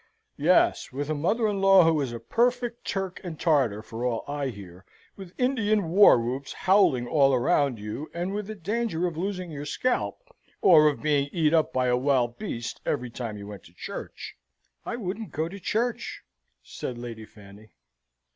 "Yes! with a mother in law who is a perfect Turk and Tartar, for all I hear with Indian war whoops howling all around you and with a danger of losing your scalp, or of being eat up by a wild beast every time you went to church." "I wouldn't go to church," said Lady Fanny.